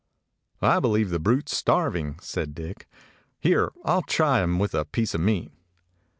"I believe the brute 's starving," said Dick. "Here, I 'll try him with a piece of meat."